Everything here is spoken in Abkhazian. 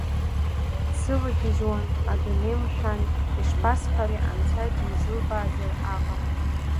Дсывагьежьуан, адунеи мшәан, ишԥасҳәари, анцәа дизылбаазар аҟара.